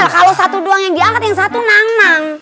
kalau satu doang yang diangkat yang satu nang nang